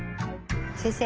先生。